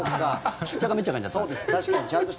しっちゃかめっちゃかになった。